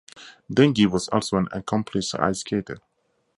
Dungey was also an accomplished ice skater.